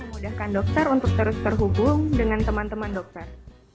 memudahkan dokter untuk terus terhubung dengan teman teman dokter